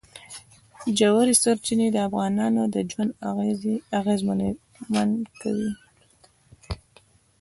ژورې سرچینې د افغانانو ژوند اغېزمن کوي.